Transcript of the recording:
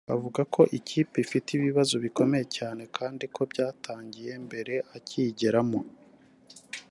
avuga ko ikipe ifite ibibazo bikomeye cyane kandi ko byatangiye mbere akiyigeramo